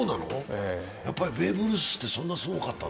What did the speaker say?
やっぱりベーブ・ルースってそんなにすごかったの？